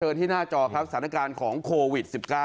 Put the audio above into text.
ที่หน้าจอครับสถานการณ์ของโควิด๑๙